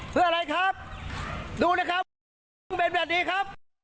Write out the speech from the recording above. เพื่ออะไรครับดูนะครับเป็นแบบนี้ครับ